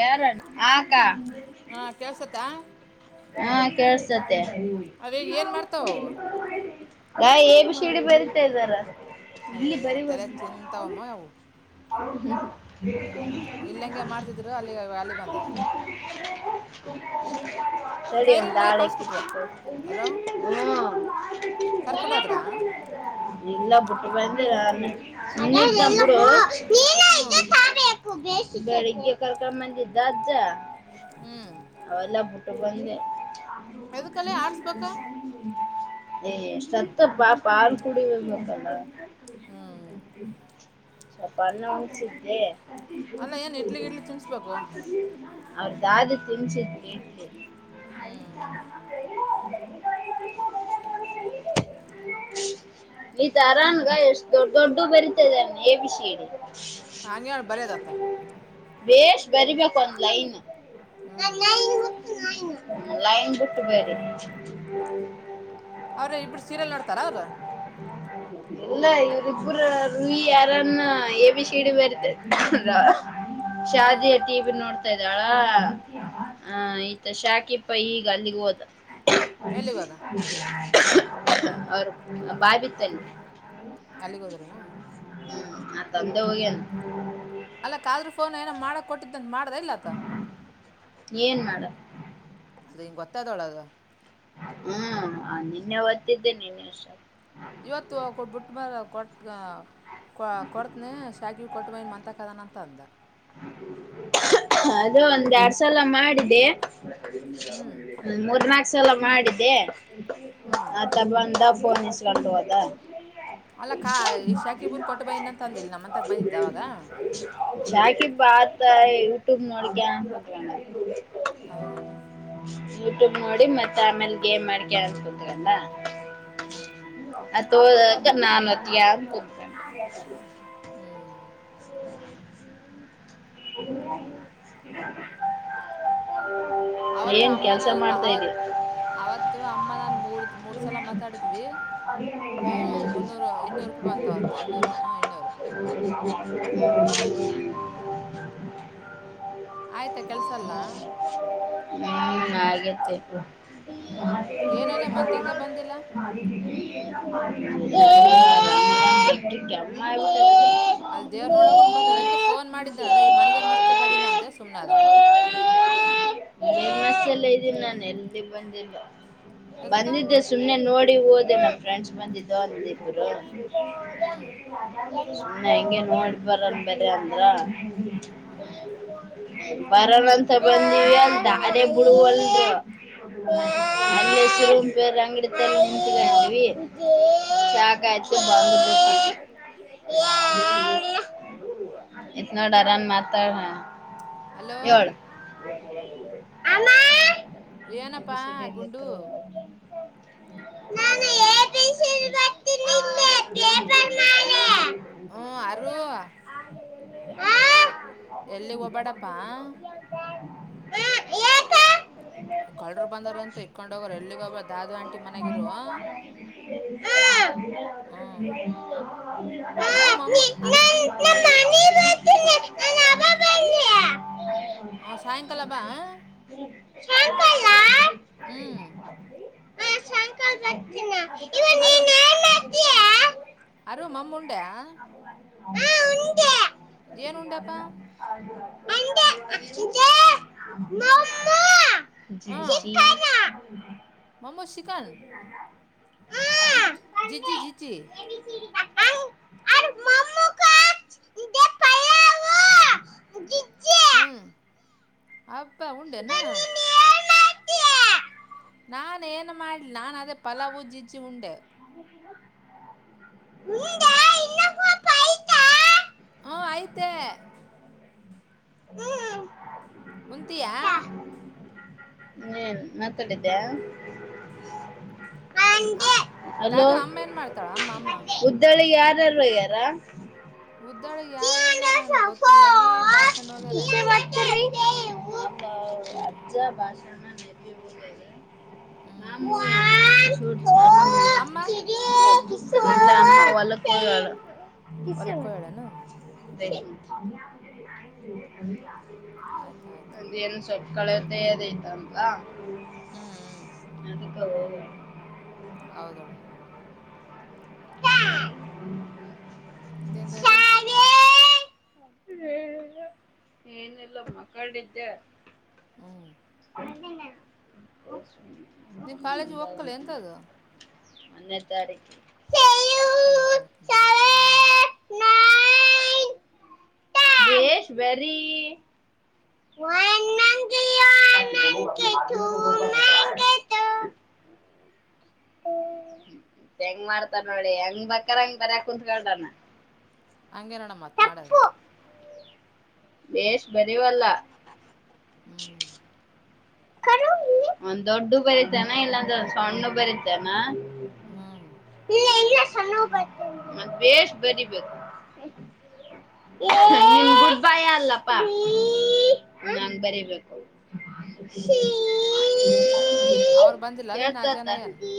ಯಾರ ಹಾ ಆಕ್ಕಾ ಹಾ ಕೇಳಸತ ಅದೇ ಏನ್ ಮಾಡ್ತಾವ ಅವು. ಯಾ ಎಬಿ ಶಿಡಿ ಬರಿತಾ ಇದ್ದಾರ ಇಲ್ಲಿ ಬರಿಬೋದ. [unintelligible] [unintelligible] ಸರಿ ಒಂದಾಳಕಿ ತಿಕ್ಕೋತ ಹ್ಮ ಇಲ್ಲ ಬಿುಟ್ಟ ಬಂದಿವಿ ನೀನೆ ತಂದ ಬುಡು ಇಕಡಿ ಇಕಿಗ್ ಕರ್ಕೊಂಡ್ ಬಂದಿದ್ದ ಅಜ್ಜಾ. ಹ್ಮ್ ಒಂದೆ. ಏ ಸತ್ತದ ಪಾಪ್ ಹಾಲ್ ಕುಡಿಬೇಕಲ್ಲ. ಸ್ವಲ್ಪ ಅನ್ನ ಉಣ್ಸಿದ್ದೆ. ಅವ್ರ ದಾದ ತಿನಸಿತ್ರಿ [unintelligible] ನೀ ತರನ್ಗ ಎಷ್ಟ ದೊಡ್ ದೊಡ್ಡ ಬರಿತಿದಾನ್ ಎ ಬಿ ಸಿ ಡಿ. ಹಾಂಗೆ ನೋಡ್ ಬರಿಯದ ಆತಾ. ಬೇಷ್ಟ ಬರಿಬೇಕ ಒಂದ್ ಲೈನ್ ಹ್ಮ್ ಲೈನ್ ಬಿಟ್ಟು ಬರಿ. ಅವ್ರ ಇಬ್ಬರು ಸೀರಿಯಲ್ ನೋಡ್ತಾರ ಅವ್ರ. ಹ್ಮ ಇಲ್ಲ ಇವ್ರಿಬ್ಬರ ರುಹಿ ಯಾರನ್ನ ಎ ಬಿ ಸಿಡಿ ಬರಿತ ಅಂದ್ರ. ಶಾದಿ ಟಿ ವಿ ನೋಡ್ತಾ ಇದ್ದಾಳ ಹ ಈ ತ ಶಾಕೀಪೈ ಈಗ ಅಲ್ಲಿ ಹೋದ. ಅವರ್ ಬಾಬಿತಲ್ಲಿ. ನಲ್ಲಿಗೂದರನಾ [inaudible] ಹ್ಮ, ಆತ ಒಂದೆ ಹೋಗಿನ. ಕೊಟ್ಟಿದ್ದಂತ ಮಾಡ್ದ ಇಲ್ಲಾತ್ತ. - ಏನ್ ಮಾಡ ಅದ ಹಿಂ ಗೊತ್ತಾದೋಳದು [unintelligible] ಹ್ಮ್, ನಿನ್ನೆ ಒತ್ತಿದ್ದೇನೆ ಇವತ್ತು ಬುಟ್ಟ ಮರ ಕೊಟ್ಟ [unintelligible] ಕೊ ಕೊಡತೀನಿಶಾವಿಗಿ ಕೊಟ್ಟಬಾಮನಿತಾಕ ಅದನಂತ ಅಂದ. ಅದ ಒಂದ ಎಡ್ ಸಲ ಮಾಡಿದೆ, ಮೂರ್ನಾಕ ಸಲ ಮಾಡಿದ್ದೆ ಆತ ಬಂದಾ ಫೋನೆ ಸಿಗಲ್ದ ಹೊದಾ. [inaudible] ಯಾಕೆ ಬಾತ [unintelligible] ಯೂಟ್ಯೂಬ್ ನೋಡಗ ಹೌದನು, ಯೂಟ್ಯೂಬ್ ನೋಡಿ ಮತ್ತೆ ಆಮೇಲೆ ಗೇಮ್ ಮಾಡ್ಕ ಅನ್ಕೊತಾಂರಲ್ಲ, ಅತ ಕ ನಾನತಿಯ [unintelligible] [inaudible] [inaudible] ಏನ್ ಕೆಲ್ಸ ಮಾಡ್ತಾ ಇದೀಯಾ, ಅವತ್ತು ಅಮ್ಮ ನಾನ್ ಮೂರ್- ಮೂರ್ ಸಲ ಮಾತಾಡಿದ್ವಿ. ಹ ಮುನ್ನೂರು, ಇನ್ನೂರು ರೂಪಾಯಿ ಬಂತ ಅವತ್ತು ಇನ್ನೂರು ಹ, ಇನ್ನೂರು ಹ್ಮ [inaudible] ಆಯ್ತಾ ಕೆಲ್ಸೆಲ್ಲಾ, - ಹ್ಮ [unintelligible] ಆಗೇತ್ತ ಇ [inaudible] [inaudible] ಇಲ್ಲಿ ಮನೆಗರ್ ಮಸ್ತಕ ಅದಿನಿ ಅಂದೆಸುಮ್ನೆ ಆದಮತ್ತೆ, ಲ್ಲ ಇದ್ದೀನಿ ನಾನು ಎಲ್ಲಿ ಬಂದಿದ್ದು. ಬಂದಿದ್ದೆ ಸುಮ್ಮ್ನೆ ನೋಡಿ ಓದೆ ನ ಫ್ರೆಂಡ್ಸ್ ಬಂದಿದ್ದರ, ಹ್ಮ್, ಹಂಗೆ ನೋಡ್ ಬರನ್ಮ್ ಬರಿ ಅಂದ್ರ, ಬರ ನಂತ ಬಂದಿವಿಅಲ್ಲಿ ದಾರಿ ಬಿಡವಲ್ರು. ಅಂಗಡಿ ಹವಿ [unintelligible] ಓ, ಸಾ ಕಾಯತ ಬಂದುಬಿಟ್ಟಿವಿ. ಇತನ ಡರನ್ ಮತ್ರ ಹ [unintelligible] ಏಳು ಅಮ್ಮಾ,, ಎ ಬಿಷಡಲ್ಲಿತ್ರರು [unintelligible] ನಾನುಎ, ಬಿ, ಸಿ, ಡಿಬರ್ತೀನಿ ಇಲ್ಲೆ ಟೇಬಲ್ ಮೇಲೆ. ಹ್ಮ, ಆರು ಅ ಎಲ್ಲಿಗಿ ಹೋಗಗಬಾಡಪ್ಪಾ. ಹ್ಮ, ಆಯ್ತಾ ಇ ಕಳ್ಳರು ಬಂದಾರಂತ ಇಕೊಂಡ ಹೋಗರು ಎಲ್ಲಿಗಿಒಗಬಾಡ ದಾದು ಆಂಟಿ ಮನಗಿರು. ಹ್ಮ, [inaudible] [inaudible] ಹ್ಮ್, ಸಾಯಂಕಾಲ ಬಾ,, ಸಾಯಂಕಾಲ... ಹ್ಮ್, ಹಾ, ಸಾಯಂಕಾಲ ಬರ್ತಿನಿ ನಾನು. ಅರು ಅರು ಮಾಮ್ಮ ಉಂಡೆ ಹ ಉಂಡೆ ದೇ ಮಮ್ಮು [inaudible] ಜಿತ್ ಜಿ ಜಿ ಜಿ ಜಿ ಹ್ಮ್ ಅಪ್ಪ ಉಂಡೆನಾ ನಾನುಏನು ಮಾಡಲಿ ನಾನು ಅದೇ ಪಲಾವವು ಉಜ್ಜಿಜ್ಜಿ ಉಂಡೆ [inaudible] ಹಾ ಐತೆ ಹ್ಮ್, ನೀನ್ ಮಾತಾಡಿದ್ದ್ಯಾ.. ಅ ದಾದೂ ಅಮ್ಮ ಏನ್ ಮಾಡ್ತಾಳ ಅಮ್ಮ- ಅಮ್ಮ. ಯಾರಾರರು ಯಾರ ಉದ್ದಾಳ ಯಾರೋಗ್ಯಾರನ ಗೊತ್ತಿಲ್ಲ ನೆಬಿ ಭಾಷನ್ಗ್ಯಾರೇನ [inaudible] ನ [inaudible] ಒಲಕ್ಕೋ ಹೋಗ್ಯಳೆನು ಸರಿ ಆಯ್ತಾಯಯ್ತು ಕಳತಾಯ ಅದಐತಂಬ ಅದಕ್ಕೆ ಹ ಹೌದ ಹ್ಮ ಇದೇನ್ಂದ ಅದು ಏನಿಲ್ಲ ಮಕ್ಕಂಡಿದ್ದೆ ಹ್ಮ್ ನೀನ್ ಕಾಲೇಜ್ ಹೋಗಲ್ಲ ಎಂತದ ಒಂದನೇ ತಾರೀಕ ಒನತಕಂತಾನ ಹ್ಮ್ ಶೇಶ್ವರಿ ಒ ನಗೆ ತು ನಗೆ ತ ಹ ಹೆಂಗ್ ಮಾಡ್ತಾರ ನೋಡಿ ಹೆಂಗ್ ಬಕಾರ ಹಂಗ ಬರಯ ಕುಂತ್ಕಾನ ಹಂಗಗೆನೋಣ ಮತ್ ಮಾಡೋದು ಬೇಶ್ ಬರವಲ್ಲ ಒಂದ ದೊಡ್ಡ ಬರತಾನ ಇಲ್ಲಾಂದಂದ ಸಣ್ಣು ಬರತಾನ ಹ್ಮ್ ಮತ್ತ ಬೇಷ್ ಬರಿಬೇಕು ಗುಡ್ ಬಾಯ್ ಅಲ್ಲಪ್ಪಾ ಹಂಗ ಬರಿರ್ಬೇಕು ಸಿ ಡಿ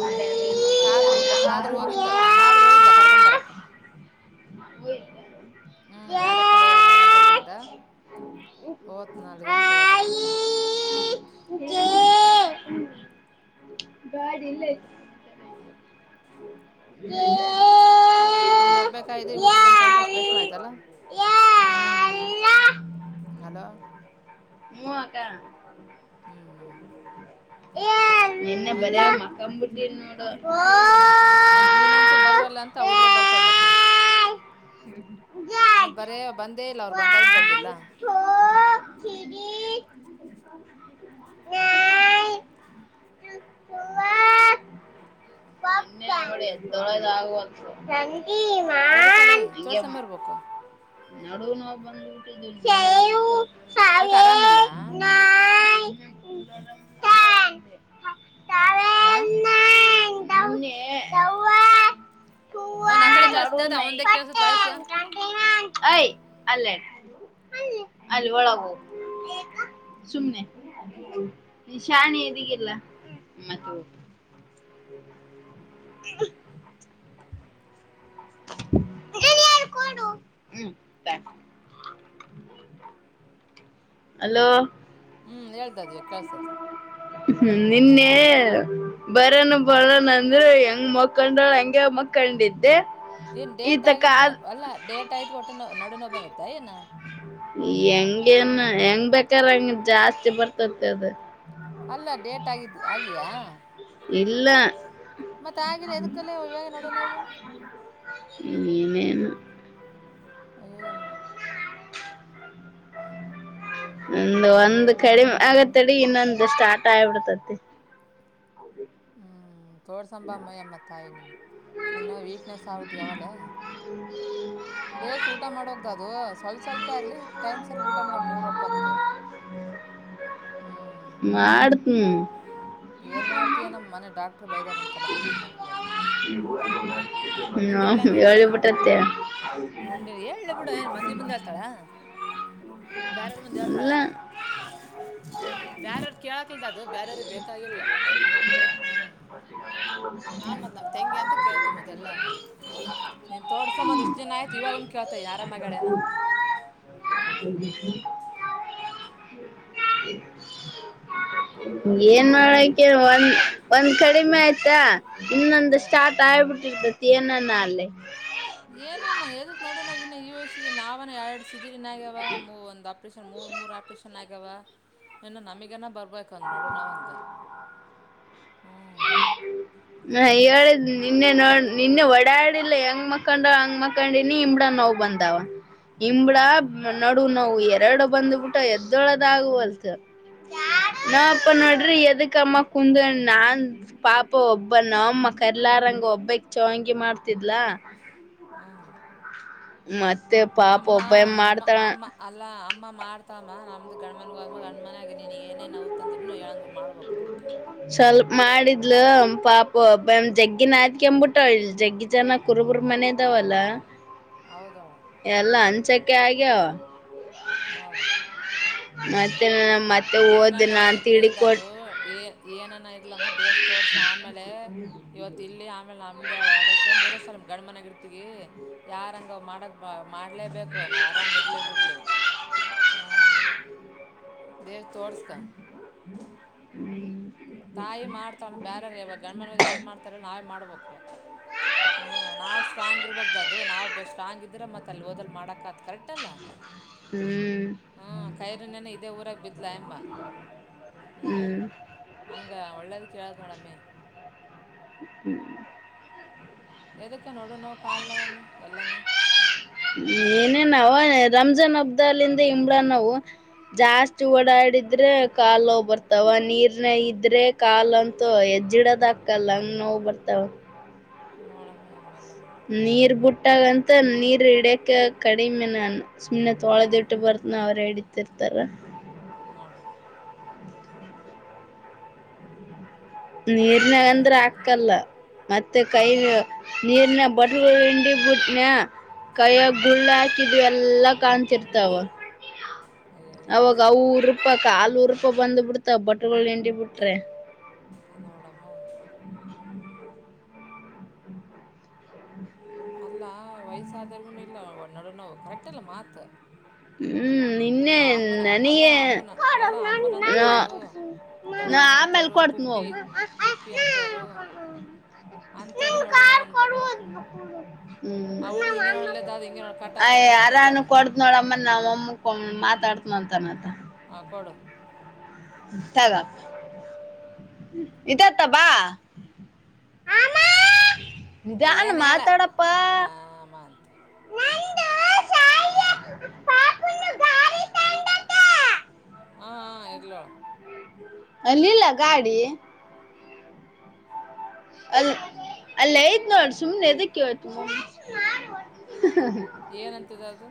ಸಿ ಕದುರು ಕದುರು ಹೋಗಿದ್ದ ಕದುರು ಹೋಗಿದ್ದ ಕರ್ಕಂಬರಕ್ಕ ಹ ಹ್ಮ್ ಗಾಡಿ ಹಕೊಂಡ್ ಹಓದಿಲ್ಲಮ್ಮತಕ್ಕಿದ್ದ ವತ್ ನಲ್ಗ ಅಂತ ತ ಹೋದ ಬಾಡಿ ಇಲ್ಲ ಹ್ಮ ನೀನ್ ಒಬ್ಬಬೇಕಾಯರಿ ಹುಡ್ರ ಬಂದು ಟೈಮ್ ಪಾಸ್ ಬೆಸ್ ಆಯ್ತಲ್ಲಾ ಹಲೋ ಹು ಅಕ್ಕಾ. ನಿನ್ನೆ ಬರೇ ಮಕ್ಕಂಬುಟ್ಟಿನೀ ನೋಡು. ಹ್ಮ ನೀ ಬರೇ ಬಂದೇ ಇಲ್ಲ ಅವ್ರು ಬಂದಾಗಿಂದ್ ಬಂದಿಲ್ಲ. [unintelligible] [unintelligible] ಎದುಕಲೇ ತೊರ್ಸೆಂದು ಬರ್ಬೇಕು. ನಡನ ಬಂದ [unintelligible] ಯಕ್ ಆರಾಮಿಲ್ಲ ಹಾ ನಡ ನ ಯ ಅಲ್ಲೇ ಅಲ್ಲಿ ಒಳಗೋಗ ಸುಮ್ನೆ ನಿಶಾಣಿ ಇದೀಗಗಿಲ್ಲ ಮತ್ತು. ಹ್ಮ್ಮ [inaudible] ಅಲೋ ಹ್ಮ್ ಹೇಳ್ದ ಇವಗ್ ಕೆಲ್ಸದ. ಹ್ಮ ನಿನ್ನೆ ಬರನು ಬರನ ಅಂದ್ರೆ ಹೆಂಗ್ ಮಕೊಂಡಳ ಹಂಗೆ ಮಕೊಂಡಿದ್ದೆ. ಏನ್ ಡೇಟ್ ಆಗಿದ್ಕ ಅಲ್ಲಾ ಡೇಟ್ ಆಯ್ತ್ ಹೋಟ್ಟೆ ನ ನೋಡನೋ ಬರುತ್ತ ಏನು. ಹೆಂಗೇನ್ ಹೆಂಗ್ ಬೇಕಾರ ಹೆಂಗ ಜಾಸ್ತಿ ಬರ್ತತಿ ಅದು. ಅಲ್ಲ ಡೇಟ್ ಆಗಿದ್ ಆಗಿಯಾ. ಇಲ್ಲ ಏನೇನ್ ಅಯ್ಯಯ್ಯಮ್ಮ. ಒಂದು ಒಂದ್ ಕಡಿಮೆ ಆಗತ್ತಡಿ ಇನ್ನೊಂದು ಸ್ಟಾರ್ಟ್ ಆಗ್ಬಿಡ್ತತಿ. ಹ್ಮ್ ತೋರ್ಸೆಂ ಬಾ ಯಮಮ್ಮ ತಾಯಿ ನೀನು. ಇನ್ನ ವೀಕ್ನೆಸ್ ಆಗ್ಬಿಟ್ಯ ಅವಲೇ ಬೇಸ್ ಊಟ ಮಾಡೋಗ್ದ ಅದು. ಸ್ವಲ್ಪ ಸ್ವಲ್ಪೇ ಆಗಲಿ ಟೈಮ್ ಸರಿ ಊಟ ಮಾಡಕ್ಕೆ ಮೂರು ವೋಪ್ಪತ್ತು ಹ್. ಮಾಡ್ತೀನ್ ಏನ್ ಮಾಡ್ತೀಯ ನಮ್ಮ ಮನೆ ಡಾಕ್ಟರ್ ಬೈದಾರ ಅಂತಲ್ಲ ಅಮ್ಮ ಹಂದಲ್ಲಿ. ಹ ಹೇಳೆ ಬಿಟ್ಟತ್ಯಾ. [unintelligible] ಬ್ಯಾರ್ಯಾರ್ ಮುಂದೆ ಹೇಳ್ತಾಳ. ಬ್ಯರ್ಯಾರ್ ಕೇಳಕ್ದ ಅದು ಬೇರವ್ರಿಗೆ ಬೇಕಾಗಿಲ್ಲ ಹ್ಮ. ನಾ ಮತ್ ನಮ್ ತೆಂಗಿ ಅಂತ ಕೇಳ್ತೀವಿ ಮತ್ತೆಲ್ಲ. ನೀನ್ ತೋಡ್ಸಬಂದ ಇಷ್ಟ ದಿನ ಆಯ್ತು ಇವಾಗನು ಕೇಳ್ತ ಆರಾಮ್ ಆಗ್ಯಾಳ ಏನ್ ಅಂತ. [unintelligible] ಏನ್ ಮಾಡಕ ಒಂದ್ ಒಂದ್ ಕಡಿಮೆ ಆಯ್ತಾ. ಇನ್ನೊಂದು ಸ್ಟಾರ್ಟ್ ಆಗ್ಬಿಟ್ಟಿರ್ತತಿ ಏನನ್ನ ಅಲ್ಲೇ. ಏನಮ್ಮ ಎದಕ್ ನೋಡು ನಾವ್ ಇನ್ನ ಇ ವಯಸ್ಸಿಗಿ ನಾವನ ಏಡ್ ಸಿಜಿರಿನ್ ಆಗ್ಯವ ಮೂ ಒಂದ್ ಆಪರೇಷನ್ ಮೂರ್ ಮೂರ್ ಆಪರೇಷನ್ ಆಗ್ಯಾವ ಏನು ನಮಗ ಬ ಬರ್ಬೇಕು ನಡು ವ ಅಂಗ ಹ್ಮ್. ಹ ಹೇಳ್ ನಿನ್ನೆ ನೋ ನಿನ್ನೆ ಒಡಾಡಿಲ್ಲ ಹೆಂಗ್ ಮಕಂಡಳ್ಳ ಹಂಗ ಮಕ್ಕಂಡಿನೀ ಇಮ್ಮಡ್. ನೋವ್ ಬಂದಾವ. ಹಿಂಬಡ ನಡು ನೋವು ಎರಡು ಬಂದ್ಬಿಟ್ಟ ಎದ್ದೊಳದಾಗವಲ್ತ. [unintelligible] ನೋಡ್ರಿ ಎದಕ್ಕಮ್ಮ ಕುಂದಣ ನಾ. ಪಾಪ ಒಬ್ಬನ ಅಮ್ಮ ಕರ್ಲಾರಂಗ ಒಬ್ಬಕ್ ಚವಂಗಿ ಮಾಡ್ತಿದ್ಲ. ಮತ್ ಅಮ್ಮ ಅಮ್ಮ ಅಮ್ಮ ಅಲ್ಲಾ ಅಮ್ಮ ಮಾಡ್ತಾಳಮ್ಮ ಅಮ್. [unintelligible] ಏನೇನು ನವು ತಂದರುನು [unintelligible] ಮಾಡ್ಬೇಕು. ಸ್ವಲ್ಪ ಮಾಡಿದ್ಲು ಪಾಪ. [unintelligible] ಜಗ್ಗಿ ಅಕಂಬಿಟ್ಟು ಇಲ್ಲಿ ಜಗ್ಗಿ ಜನ ಕುರುಬರ್ ಮನೆ ಇದಾವಲ್ಲ. ಎಲ್ಲ ಅಂಚಕೆ ಆಗ್ಯಾವ. ನೋಡು. ಮತ್ತೆ. ಏನನ ಇರ್ಲಿದದು ಏ ಏನನ ಇರ್ಲಮ್ಮ ಬೇಸ್ ತೋರ್ಸ ಆಮೇಲೆ. ಇವತ್ ಇಲ್ಲಿ ಆಮೇಲೆ ನಮ ಮುಂದ ಎರಡುರ್ಷ ಮೂರುವರ್ಷ ಗಂಡ ಮನಗ ಇ [unintelligible] ಯಾರಂಗ ಮಾಡಕ್ ಮಾಡ್ಲೇಬೇಕು ನಾವ್ ಆರಾಮ ಇರ್ಲಿ ಬಿಡ್ಲಿ. ಹ್ಮ್ ಬೇಸ್ ತೋರ್ಸ್ಕ. ತಾಯಿ ಮಾಡ್ತಾಳ ಬ್ಯಾರೆರು ಇವಾಗ ಗಂಡ ಮಾನ್ಯರೂ ಯಾರ್ ಮಾಡ್ತಾರ ಹೇಳು ನಾವೇ ಮಾಡ್ಬೇಕು. ಹ್ಮ್ ನಾವು ಸ್ಟ್ರಾಂಗ್ ಇರ್ಬೇಕು ಅದು ನಾವು ಬೆ ಸ್ಟ್ರಾಂಗ್ ಇದ್ರೆ ಮತ್ತ ಅಲ್ಲಿ ಓದಲ್ ಮಾಡಕ ಆಗುತ್ತೆ ಕರೆಕ್ಟ್. [unintelligible] ಹಾ ಕೈರಿನನ ಇದೇ ಊರಾಗ ಬಿಡ್ಲು ಆಯಮ್ಮ. ಹ್ಮ್ ಹಂಗ ಒಳ್ಳೆದಕ್ಕೆ ಹೇಳೋದು ನೋಡ್ ಅಮ್ಮಿ. ಹ್ಮ್ ಎದಕ್ಕ ನೋಡು ನೋ ಕಾಲ ನೋವು ಅಮ್ಮಿ ಎಲ್ಲನಾ. ಏನೇ ನಾವ ರಂಜಾನ್ ಹಬ್ಬದಾಗಿಂದ ಇಂಬ್ಳಾ ನಾವು. ಜಾಸ್ತಿ ಓಡಾಡಿದ್ರೆ ಕಾಲು ಬರ್ತಾವ ನೀರ್ನ ಇದ್ರೆ ಕಾಲು ಅಂತೂ. ಜಿಡದಾಕಲ್ಲ ನೋವು ಬರ್ತಾವ. ನೋಡಮೇಲ್ಲ. ನೀರ್ ಬಿುಟ್ಟಾಗಂತ ನೀರ್ ಹಿಡ್ಯಕ ಕಡಿಮೆ ನಾನು. ಸುಮ್ನೆ ತೊಳೆದ ಇಟ್ಟು ಬರ್ತನ ಅವ್ರ ಹಡತಿರ್ತಾರ. ಮೋಡ. ನೀರಿನಗಂದ್ರೆ ಹಾಕಲ್ಲ. ಮತ್ತೆ ಕೈ ನೀರ್ನ ಬಟ್ಲು ಹಂಡಿ ಬಿಟ್ನ. ಕೈಯ ಗುಳ್ಳ ಕಿಡಿ ಎಲ್ಲಾ ಕಾಣ್ತಿರ್ತಾವ. ಅವಾಗ ರು ರೂಪಾಯಕ [unintelligible] ತಪ್ಪ ಬಂದ್ ಬಿಡ್ತ ಬಟ್ಟುಗಳು ಎಂಡಿ ಬಿಟ್ರೆ. ನೋಡಮ್ಮ. ಅಲ್ಲ ವಯಸ್ಸಾದರ್ಗುನು ಇಲ್ಲ ನಡು ನವು ಕರೆಕ್ಟ್ ಅಲ್ಲ ಮಾತ್. ನೀವು ಅಮ್ಮನ ಅಲ್ಲಾ ಅಮ್ಮನ ಅಲ್ಲ ಅಮ್ಮನಂತ ಅವರು. ನಾ ಆಮೇಲ್ ಕೊಡ್ತೇನೆ ಹೋಗು. ಅಂಥವ್ರು ನಡುನೋ ಅನ್ಬೇಕು. ಹ್ಮ್ ಅಯ ಅರಾನು ಕೊಡತ್ ನೋಡಮ್ಮನ. ನಾವು ಅಮ್ಮ ಮಾತಾಡ್ತನ ಅಂತನಂತ. ಆ ಕೊಡು. ತಗಪ್ಪ. ಇದತ್ತ ಬಾ. ಅ ಏನ್ ಹೇಳ ಅಮ್ಮ ಅಮ್ಮ ಅಂತ. ಹಾ ಹ ಇರ್ಲೋ. ಅಲ್ಲಿಲ್ಲ ಗಾಡಿ. ಅಲ್ಲಿ ಅಲ್ಲಿ ಐತ್ ನೋಡ್ ಸುಮ್ನೆ ಎದಕ್ಕೆ ಹೇಳ್ತಿ. ಏನಂತಿದೆ ಅದು.